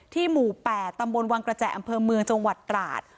หมู่๘ตำบลวังกระแจอำเภอเมืองจังหวัดตราด